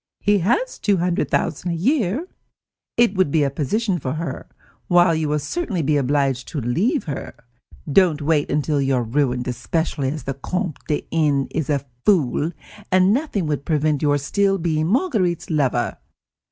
He has two hundred thousand a year. It would be a position for her, while you will certainly be obliged to leave her. Don't wait till you are ruined, especially as the Comte de N. is a fool, and nothing would prevent your still being Marguerite's lover.